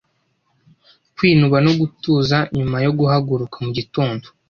Kwinuba no gutuza nyuma yo guhaguruka mugitondo